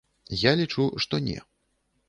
Я лічу, што не.